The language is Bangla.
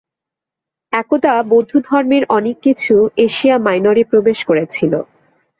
একদা বৌদ্ধধর্মের অনেক কিছু এশিয়া মাইনরে প্রবেশ করেছিল।